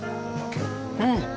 うん。